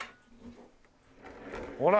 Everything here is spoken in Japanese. ほら！